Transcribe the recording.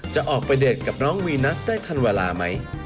จะออกไปเดทกับน้องวีนัสได้ทันเวลาไหม